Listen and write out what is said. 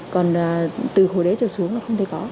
còn từ khối đế trở xuống là không thể có